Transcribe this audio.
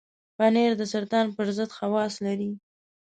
پنېر د سرطان پر ضد خواص لري.